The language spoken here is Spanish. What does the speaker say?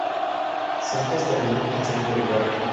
Santos terminó en segundo lugar.